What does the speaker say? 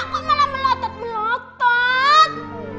kok malah melotot melotot